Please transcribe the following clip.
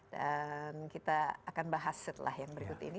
dan kita akan bahas setelah yang berikut ini